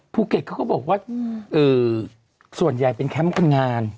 ภูเก็ตเขาก็บอกว่าส่วนใหญ่เป็นแคมป์คนงาน